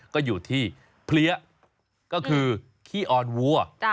ก็อยู่ที่เพลี้ยก็คือขี้ออนวัว